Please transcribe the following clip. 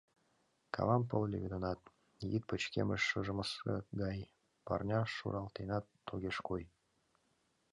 Кавам пыл леведынат, йӱд пычкемыш шыжымсе гай, парня шуралтенат огеш кой.